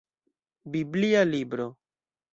Biblia libro.